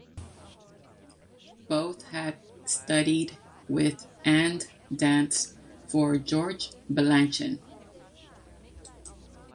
Both had studied with and danced for George Balanchine.